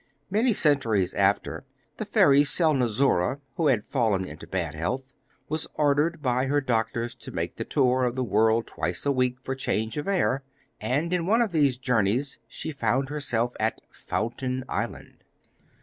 Many centuries after, the fairy Selnozoura, who had fallen into bad health, was ordered by her doctors to make the tour of the world twice a week for change of air, and in one of these journeys she found herself at Fountain Island.